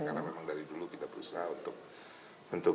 karena memang dari dulu kita berusaha untuk